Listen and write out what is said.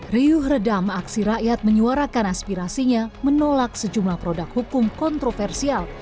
riuh redam aksi rakyat menyuarakan aspirasinya menolak sejumlah produk hukum kontroversial